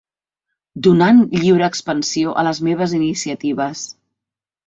Donant lliure expansió a les meves iniciatives.